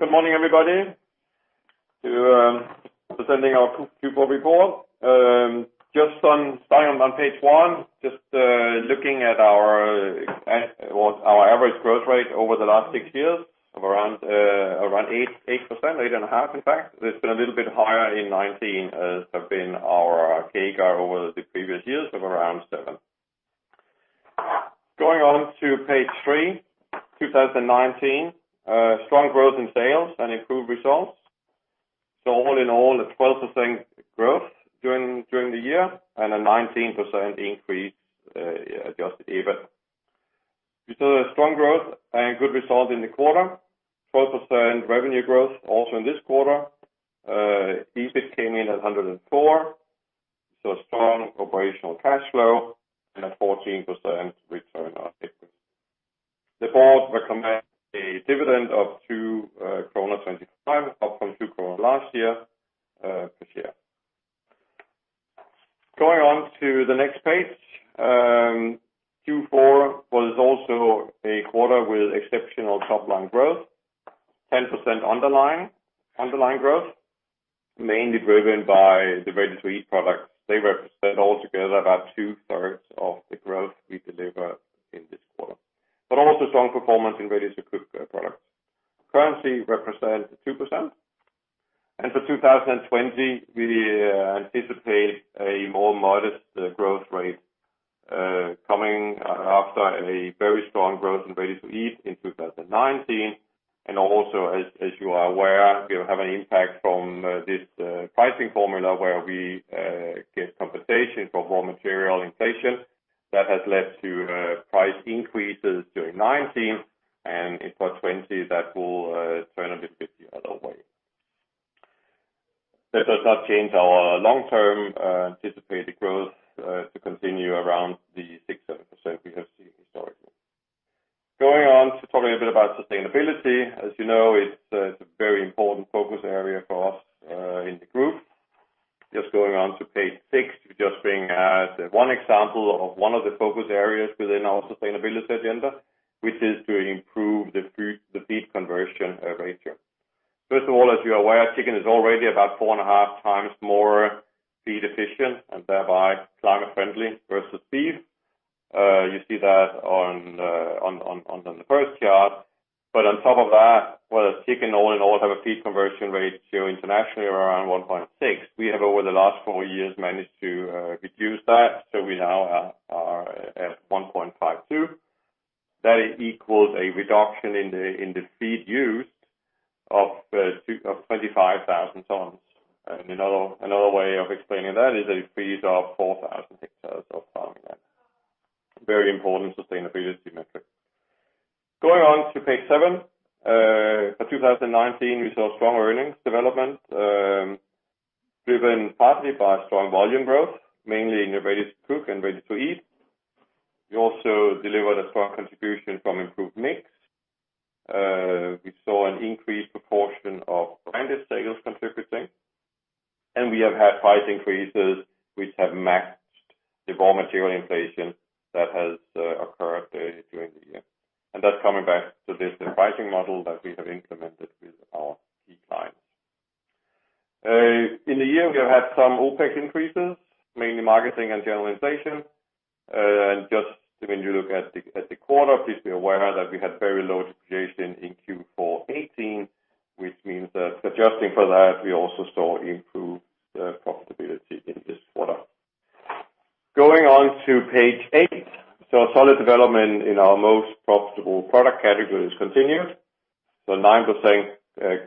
Good morning, everybody. Presenting our Q4 report. Just starting on page one, just looking at our average growth rate over the last six years of around 8%, 8.5%, in fact. It's been a little bit higher in 2019, as has been our CAGR over the previous years of around 7%. Going on to page three, 2019. Strong growth in sales and improved results. All in all, a 12% growth during the year, and a 19% increase adjusted EBIT. We saw a strong growth and good result in the quarter. 12% revenue growth also in this quarter. EBIT came in at 104. Strong operational cash flow and a 14% return on assets. The board recommends a dividend of 2.25 krona up from 2 krona last year, per share. Going on to the next page. Q4 was also a quarter with exceptional top-line growth, 10% underlying growth, mainly driven by the Ready-to-eat products. They represent all together about 2/3 of the growth we deliver in this quarter. Also strong performance in Ready-to-cook products. Currency represents 2%. For 2020, we anticipate a more modest growth rate, coming after a very strong growth in Ready-to-eat in 2019. Also, as you are aware, we'll have an impact from this pricing formula where we get compensation for raw material inflation that has led to price increases during 2019, and in 2020, that will turn a little bit the other way. That does not change our long-term anticipated growth to continue around the 6%-7% we have seen historically. Going on to talking a bit about sustainability. As you know, it's a very important focus area for us in the group. Just going on to page six, just bringing out one example of one of the focus areas within our sustainability agenda, which is to improve the feed conversion ratio. First of all, as you are aware, chicken is already about four and a half times more feed efficient and thereby climate friendly versus beef. You see that on the first chart. On top of that, whereas chicken all in all have a feed conversion rate internationally around 1.6, we have over the last four years managed to reduce that. We now are at 1.52. That equals a reduction in the feed used of 25,000 tons. Another way of explaining that is a freeze of 4,000 hectares of farmland. Very important sustainability metric. Going on to page seven. For 2019, we saw strong earnings development, driven partly by strong volume growth, mainly in the Ready-to-cook and Ready-to-eat. We also delivered a strong contribution from improved mix. We saw an increased proportion of branded sales contributing. We have had price increases which have matched the raw material inflation that has occurred during the year. That's coming back to this pricing model that we have implemented with our key clients. In the year, we have had some OpEx increases, mainly marketing and general inflation. Just when you look at the quarter, please be aware that we had very low depreciation in Q4 2018, which means that adjusting for that, we also saw improved profitability in this quarter. Going on to page eight. Solid development in our most profitable product categories continues. 9%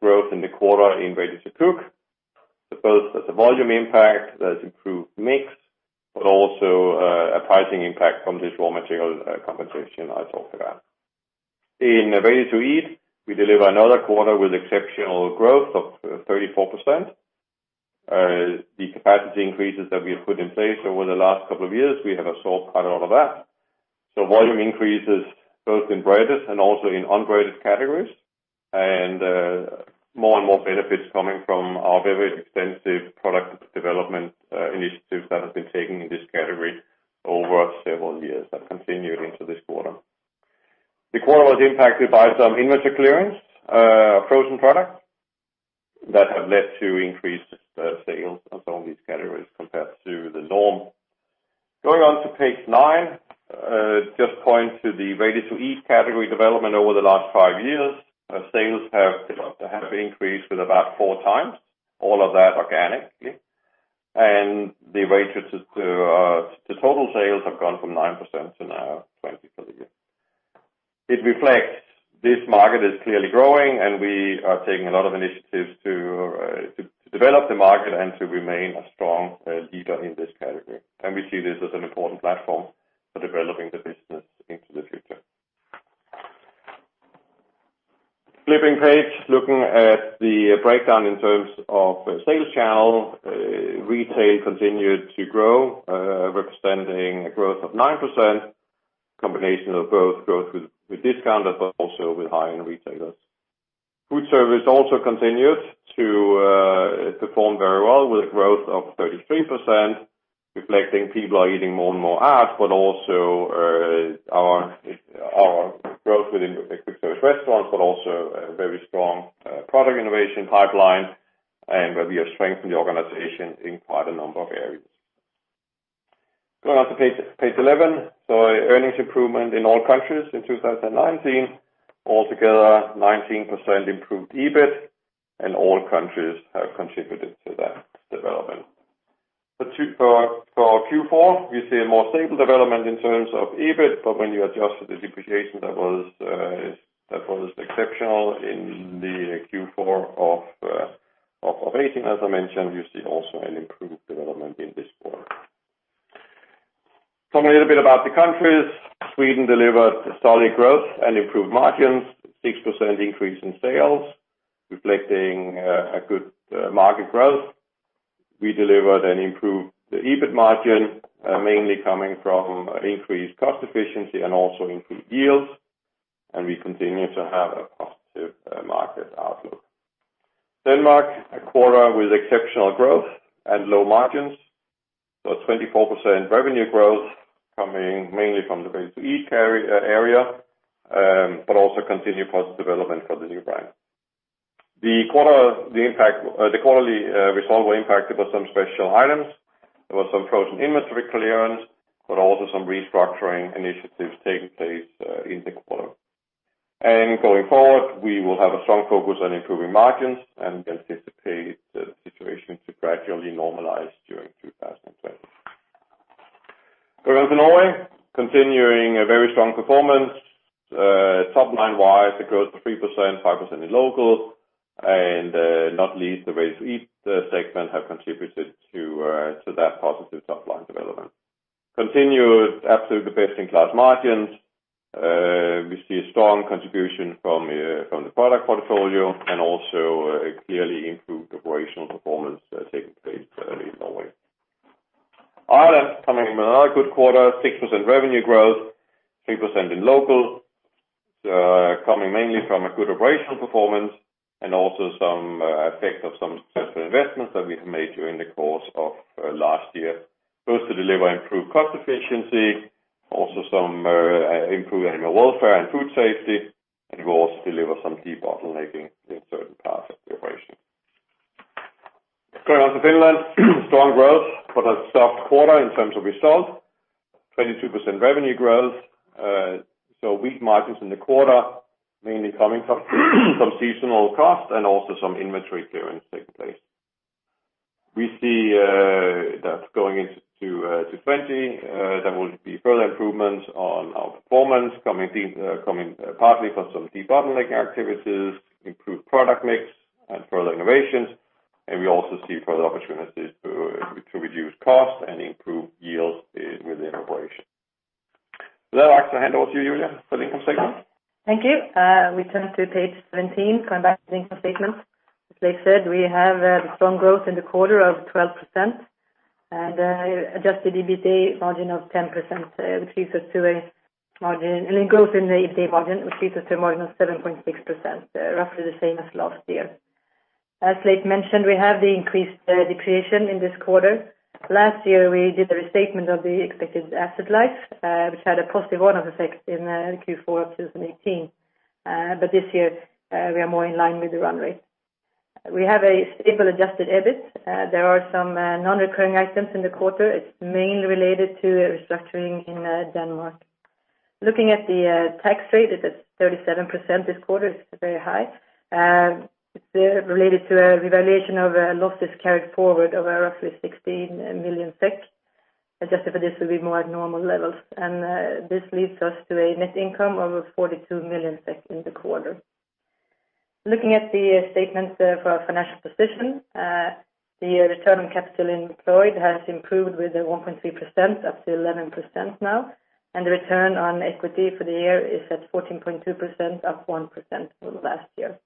growth in the quarter in Ready-to-cook. Both as a volume impact, there's improved mix, but also a pricing impact from this raw material compensation I talked about. In Ready-to-eat, we deliver another quarter with exceptional growth of 34%. The capacity increases that we have put in place over the last couple of years, we have saw quite a lot of that. Volume increases both in branded and also in unbranded categories, and more and more benefits coming from our very extensive product development initiatives that have been taken in this category over several years have continued into this quarter. The quarter was impacted by some inventory clearance, frozen products, that have led to increased sales of some of these categories compared to the norm. Going on to page nine. Just point to the Ready-to-eat category development over the last five years. Sales have increased with about four times, all of that organically. The ratio to total sales have gone from 9% to now 20% per year. It reflects this market is clearly growing, and we are taking a lot of initiatives to develop the market and to remain a strong leader in this category. We see this as an important platform for developing the business into the future. Flipping page, looking at the breakdown in terms of sales channel. Retail continued to grow, representing a growth of 9%, combination of both growth with discounters but also with high-end retailers. Foodservice also performed very well with a growth of 33%, reflecting people are eating more and more out, but also our growth within Quick Service Restaurants, but also a very strong product innovation pipeline and where we have strengthened the organization in quite a number of areas. Going on to page 11. Earnings improvement in all countries in 2019. Altogether, 19% improved EBIT and all countries have contributed to that development. For Q4, we see a more stable development in terms of EBIT, but when you adjust for the depreciation, that was exceptional in the Q4 of 2018, as I mentioned, you see also an improved development in this quarter. Talking a little bit about the countries. Sweden delivered solid growth and improved margins, 6% increase in sales, reflecting a good market growth. We delivered an improved EBIT margin, mainly coming from increased cost efficiency and also increased yields, and we continue to have a positive market outlook. Denmark, a quarter with exceptional growth and low margins, 24% revenue growth coming mainly from the Ready-to-eat area, but also continued positive development for the new brand. The quarterly result were impacted by some special items. There was some frozen inventory clearance, but also some restructuring initiatives taking place in the quarter. Going forward, we will have a strong focus on improving margins and we anticipate the situation to gradually normalize during 2020. Going on to Norway, continuing a very strong performance. Top-line wise, a growth of 3%, 5% in local, and not least, the Ready-to-eat segment have contributed to that positive top-line development. Continued absolutely best-in-class margins. We see a strong contribution from the product portfolio and also a clearly improved operational performance taking place in Norway. Ireland coming with another good quarter, 6% revenue growth, 3% in local, coming mainly from a good operational performance and also some effect of some successful investments that we have made during the course of last year. Both to deliver improved cost efficiency, also some improved animal welfare and food safety, and will also deliver some debottlenecking in certain parts of the operation. Going on to Finland. Strong growth, but a tough quarter in terms of results. 22% revenue growth. Weak margins in the quarter, mainly coming from some seasonal costs and also some inventory clearance taking place. We see that going into 2020, there will be further improvements on our performance coming partly from some debottlenecking activities, improved product mix, and further innovations, and we also see further opportunities to reduce costs and improve yields within operation. With that, I'd like to hand over to you, Julia, for the income statement. Thank you. We turn to page 17, coming back to the income statement. As Leif said, we have a strong growth in the quarter of 12% and adjusted EBITA margin of 10%. Growth in the EBITA margin, which leads us to a margin of 7.6%, roughly the same as last year. As Leif mentioned, we have the increased depreciation in this quarter. Last year, we did the restatement of the expected asset life, which had a positive one-off effect in Q4 of 2018. This year, we are more in line with the run rate. We have a stable adjusted EBIT. There are some non-recurring items in the quarter. It's mainly related to restructuring in Denmark. Looking at the tax rate, it's at 37% this quarter. It's very high. It's related to a revaluation of losses carried forward of roughly 16 million SEK. Adjusted for this will be more at normal levels, this leads us to a net income of 42 million in the quarter. Looking at the statement for our financial position. The Return on Capital Employed has improved with a 1.3% up to 11% now, the Return on Equity for the year is at 14.2%, up 1% from last year.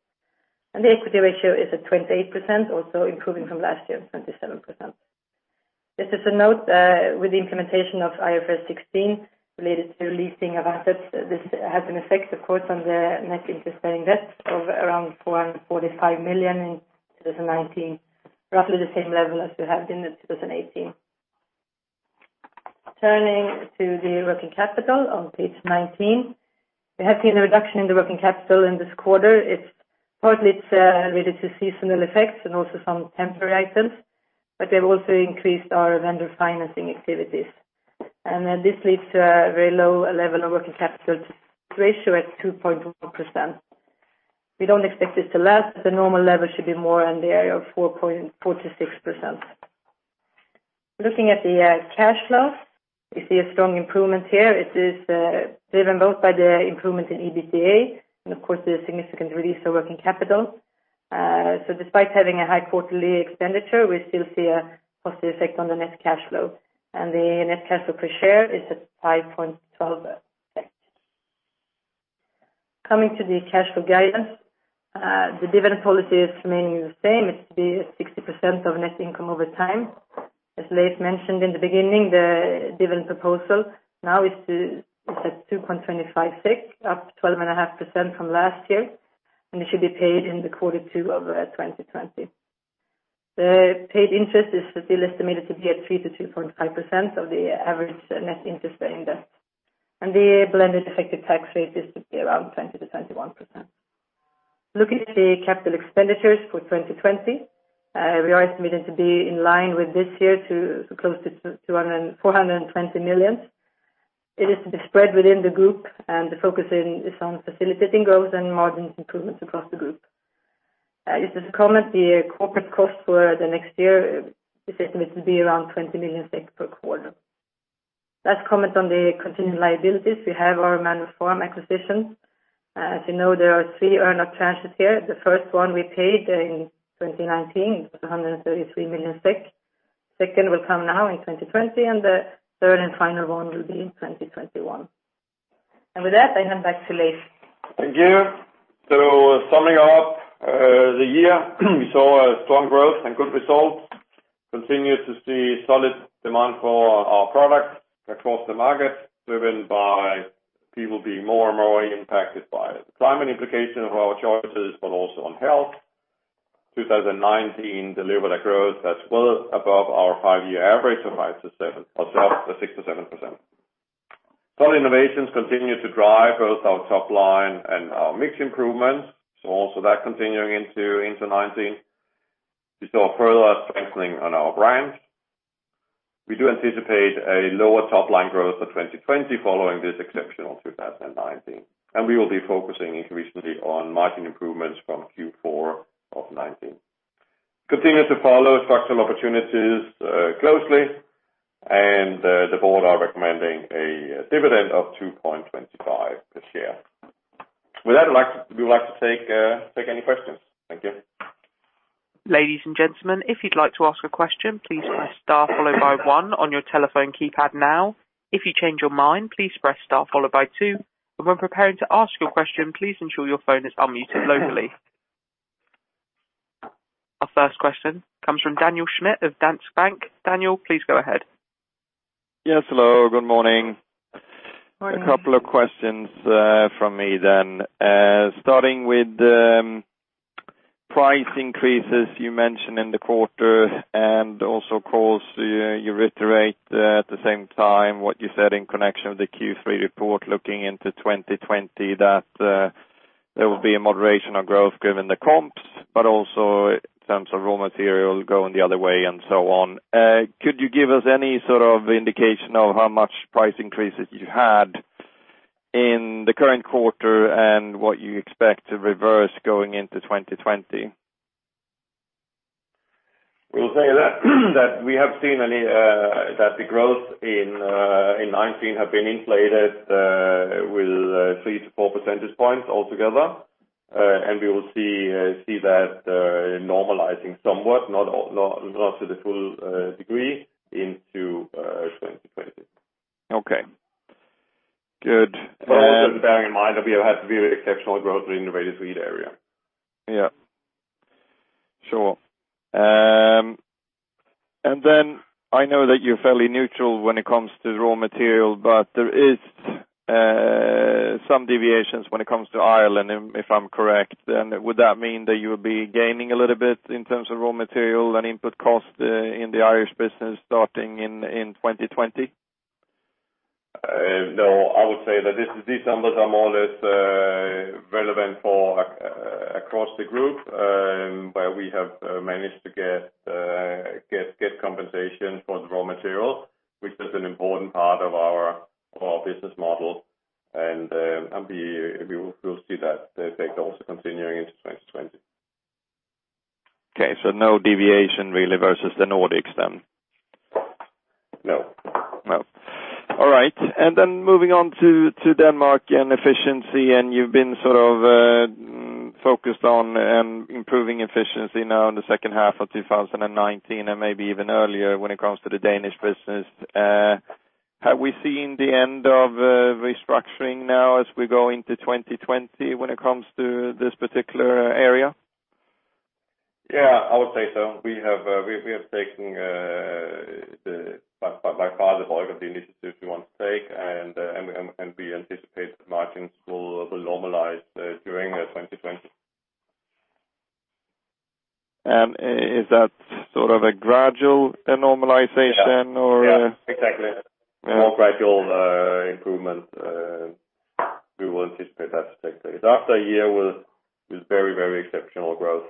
The Equity Ratio is at 28%, also improving from last year, 27%. Just as a note, with the implementation of IFRS 16 related to leasing of assets, this has an effect, of course, on the Net Interest-Bearing Debt of around 445 million in 2019, roughly the same level as we had in 2018. Turning to the Working Capital on page 19. We have seen a reduction in the Working Capital in this quarter. It's partly related to seasonal effects and also some temporary items, but we have also increased our vendor financing activities. This leads to a very low level of working capital ratio at 2.1%. We don't expect this to last, but the normal level should be more in the area of 4.4%-6%. Looking at the cash flow, we see a strong improvement here. It is driven both by the improvement in EBITA and of course the significant release of working capital. Despite having a high quarterly expenditure, we still see a positive effect on the net cash flow, and the net cash flow per share is at 5.12. Coming to the cash flow guidance. The dividend policy is remaining the same. It's 60% of net income over time. As Leif mentioned in the beginning, the dividend proposal now is at 2.25 SEK, up 12.5% from last year, and it should be paid in the quarter two of 2020. The paid interest is still estimated to be at 3%-2.5% of the average net interest-bearing debt. The blended effective tax rate is to be around 20%-21%. Looking at the capital expenditures for 2020, we are estimated to be in line with this year to close to 420 million. It is to be spread within the group, and the focus is on facilitating growth and margin improvements across the group. Just to comment, the corporate cost for the next year is estimated to be around 20 million SEK per quarter. Let's comment on the continuing liabilities. We have our Manor Farm acquisition. As you know, there are three earnout tranches here. The first one we paid in 2019, it was 133 million SEK. Second will come now in 2020, and the third and final one will be in 2021. With that, I hand back to Leif. Thank you. Summing up the year we saw a strong growth and good results. Continue to see solid demand for our products across the market, driven by people being more and more impacted by the climate implication of our choices, but also on health. 2019 delivered a growth that's well above our five-year average of 6%-7%. Solid innovations continue to drive both our top line and our mix improvements. Also that continuing into 2019. We saw a further strengthening on our brands. We do anticipate a lower top-line growth for 2020 following this exceptional 2019. We will be focusing increasingly on margin improvements from Q4 of 2019. Continue to follow structural opportunities closely, and the board are recommending a dividend of 2.25 per share. With that, we would like to take any questions. Thank you. Ladies and gentlemen, if you'd like to ask a question, please press star followed by one on your telephone keypad now. If you change your mind, please press star followed by two. When preparing to ask your question, please ensure your phone is unmuted locally. Our first question comes from Daniel Schmidt of Danske Bank. Daniel, please go ahead. Yes, hello. Good morning. Morning. A couple of questions from me. Starting with price increases you mentioned in the quarter and also, of course, you reiterate at the same time what you said in connection with the Q3 report looking into 2020 that there will be a moderation of growth given the comps, but also in terms of raw material going the other way and so on. Could you give us any sort of indication of how much price increases you had in the current quarter and what you expect to reverse going into 2020? Will say that we have seen that the growth in 2019 have been inflated with 3% to 4 percentage points altogether. We will see that normalizing somewhat, not to the full degree into 2020. Okay. Good. Bearing in mind that we have had very exceptional growth in the ready-to-eat area. Yeah. Sure. Then I know that you're fairly neutral when it comes to raw material, but there is some deviations when it comes to Ireland, if I'm correct. Then would that mean that you would be gaining a little bit in terms of raw material and input cost in the Irish business starting in 2020? No. I would say that these numbers are more or less relevant for across the group, where we have managed to get compensation for the raw material, which is an important part of our business model. We will see that effect also continuing into 2020. Okay, no deviation really versus the Nordics then? No. No. All right. Moving on to Denmark and efficiency, and you've been sort of focused on improving efficiency now in the second half of 2019 and maybe even earlier when it comes to the Danish business. Have we seen the end of restructuring now as we go into 2020 when it comes to this particular area? Yeah, I would say so. We have taken by far the bulk of the initiatives we want to take, and we anticipate that margins will normalize during 2020. Is that sort of a gradual normalization? Yeah, exactly. A more gradual improvement. We will anticipate that to take place. After a year with very, very exceptional growth,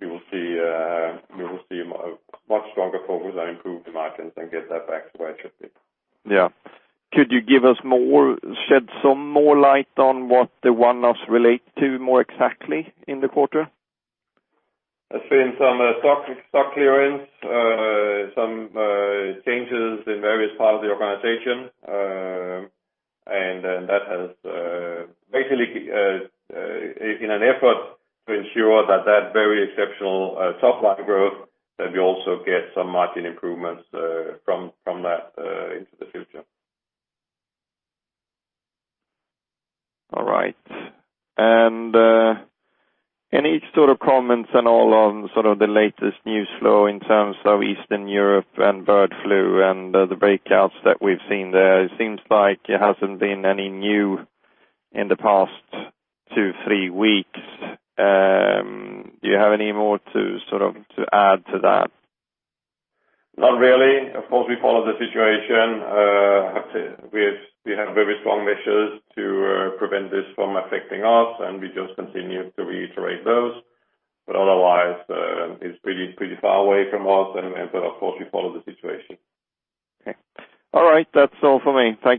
we will see a much stronger focus on improved margins and get that back to where it should be. Yeah. Could you shed some more light on what the one-offs relate to more exactly in the quarter? It's been some stock clearance, some changes in various parts of the organization. That has basically in an effort to ensure that that very exceptional top-line growth, that we also get some margin improvements from that into the future. All right. Any sort of comments at all on sort of the latest news flow in terms of Eastern Europe and bird flu and the breakouts that we've seen there? It seems like it hasn't been any new in the past two, three weeks. Do you have any more to sort of add to that? Not really. Of course, we follow the situation. We have very strong measures to prevent this from affecting us. We just continue to reiterate those. Otherwise, it's pretty far away from us. Of course, we follow the situation. Okay. All right. That's all for me. Thank you.